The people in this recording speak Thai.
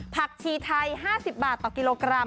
ผักชีไทย๕๐บาทต่อกิโลกรัม